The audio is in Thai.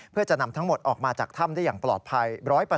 เพื่อจะนำทั้งหมดออกมาจากถ้ำได้อย่างปลอดภัย๑๐๐